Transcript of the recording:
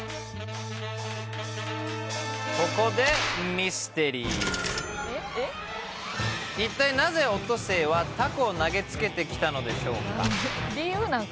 ここでミステリー一体なぜオットセイはタコを投げつけてきたのでしょうか？